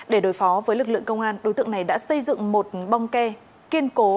để đối phó với lực lượng công an đối tượng này đã xây dựng một bong ke kiên cố